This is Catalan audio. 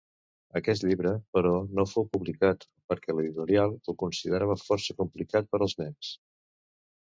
Aquest llibre, però, no fou publicat perquè l'editorial el considerava força complicat per als nens.